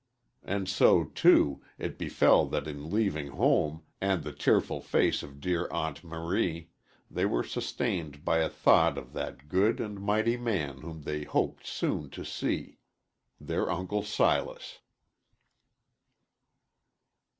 And so, too, it befell that in leaving home and the tearful face of dear Aunt Marie, they were sustained by a thought of that good and mighty man whom they hoped soon to see their Uncle Silas.